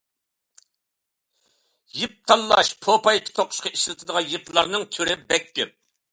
يىپ تاللاش پوپايكا توقۇشقا ئىشلىتىدىغان يىپلارنىڭ تۈرى بەك كۆپ.